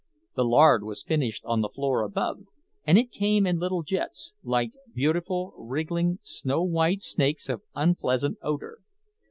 The lard was finished on the floor above, and it came in little jets, like beautiful, wriggling, snow white snakes of unpleasant odor.